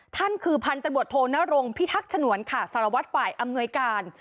ท่านคือพันธบทโทนรงพิทักษ์ฉนวนค่ะสารวัตรฝ่ายอำนวยการ